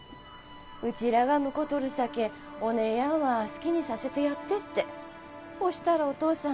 うちらが婿取るさけお姉やんは好きにさせてやってってほしたらお父さん